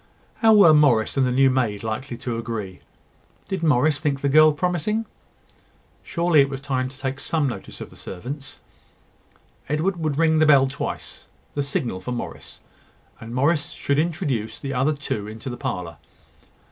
How were Morris and the new maid likely to agree? Did Morris think the girl promising? Surely it was time to take some notice of the servants. Edward would ring the bell twice, the signal for Morris; and Morris should introduce the other two into the parlour.